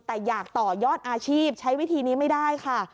แต่อยากต่อยอดอาชีพใช้วิธีนี้ไม่ได้ค่ะ